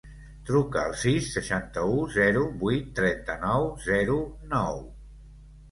Truca al sis, seixanta-u, zero, vuit, trenta-nou, zero, nou.